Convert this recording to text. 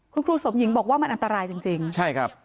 คุณครูสมหญิงบอกว่ามันอันตรายจริงครับคุณครูสมหญิงบอกว่ามันอันตรายจริง